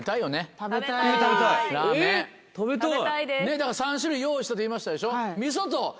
だから３種類用意したと言いましたでしょ？